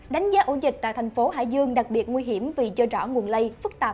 đánh giá ổ dịch tại thành phố hải dương đặc biệt nguy hiểm vì chưa rõ nguồn lây phức tạp